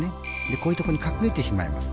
こういうところに隠れてしまいます。